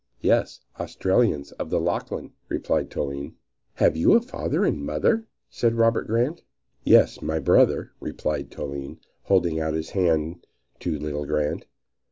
"Yes, Australians of the Lachlan," replied Toline. "Have you a father and mother?" said Robert Grant. "Yes, my brother," replied Toline, holding out his hand to little Grant.